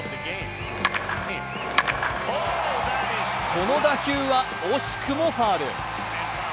この打球は惜しくもファウル。